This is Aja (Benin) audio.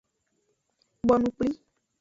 Bonu kpli.